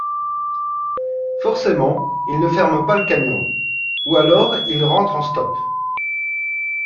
Forcément, il ne ferme pas le camion. Ou alors il rentre en stop